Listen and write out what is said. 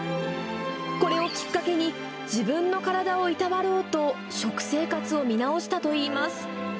これをきっかけに、自分の体をいたわろうと食生活を見直したといいます。